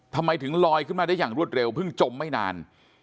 ทำไมถึงลอยขึ้นมาได้อย่างรวดเร็วเพิ่งจมไม่นาน